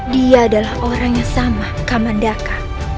dia adalah orang yang sama kamandaka